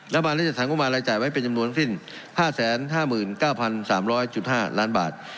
ระบาดและจัดสรรคมมันรายจ่ายไว้เป็นจำนวนทั้งสิ้น๕๕๙๓๐๐๕ล้านบาท